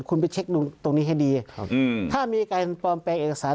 คุณไปเช็คดูตรงนี้ให้ดีถ้ามีการปลอมแปลงเอกสาร